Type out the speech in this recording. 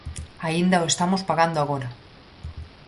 Aínda o estamos pagando agora.